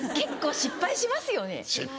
・失敗しますよ・